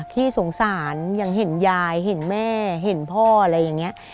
ที่สงสารยังเห็นยายเห็นแม่เห็นพ่ออะไรอย่างนี้